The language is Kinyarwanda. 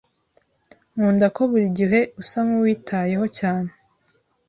Nkunda ko burigihe usa nkuwitayeho cyane.